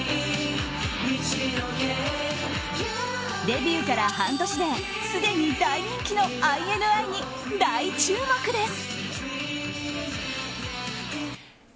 デビューから半年ですでに大人気のＩＮＩに大注目です！